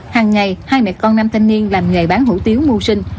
hằng ngày hai mẹ con nam thanh niên làm nghề bán hủ tiếu mua sinh